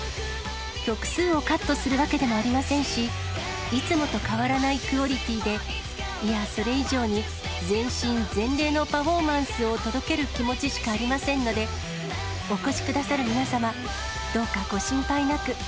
曲数をカットするわけでもありませんし、いつもと変わらないクオリティーで、いや、それ以上に、全身全霊のパフォーマンスを届ける気持ちしかありませんので、お越しくださる皆様、どうかご心配なく。